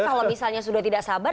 kalau misalnya sudah tidak sabar